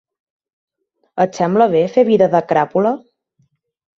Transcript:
Et sembla bé fer vida de cràpula?